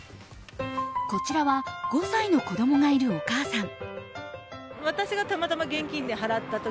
こちらは５歳の子供がいるお母さん。